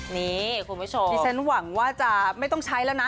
นี่คุณผู้ชมที่ฉันหวังว่าจะไม่ต้องใช้แล้วนะ